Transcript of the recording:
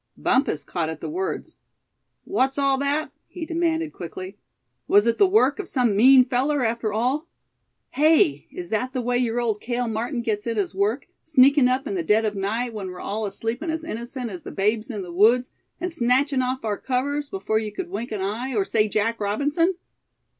Bumpus caught at the words. "What's all that?" he demanded quickly; "was it the work of some mean feller, after all? Hey, is that the way your old Cale Martin gets in his work, sneakin' up in the dead of night, when we're all sleepin' as innocent as the babes in the woods, and snatchin' off our covers before you could wink an eye, or say Jack Robinson?